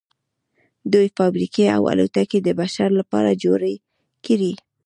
دوی فابریکې او الوتکې د بشر لپاره جوړې کړې